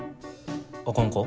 あかんか？